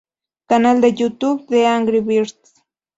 Canal de YouTube de Angry Birds